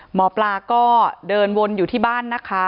หมอปลาก็เดินวนอยู่ที่บ้านนะคะ